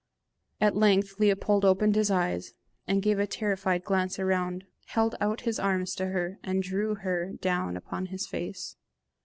At length Leopold opened his eyes, gave a terrified glance around, held out his arms to her, and drew her down upon his face.